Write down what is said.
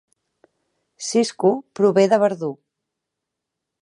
Cisco prové de Verdú